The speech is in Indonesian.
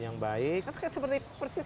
yang baik itu seperti